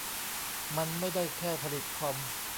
มันไม่ได้แค่ผลิตคอม